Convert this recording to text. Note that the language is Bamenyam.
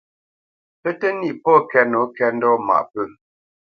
Pə́ tə nîʼ pɔ̂ kɛ́t nǒ kɛ́t ndɔ̂ tə mâʼ pə̂.